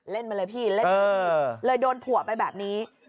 เล่นมาเลยพี่เล่นมาเลยพี่เลยโดนผัวไปแบบนี้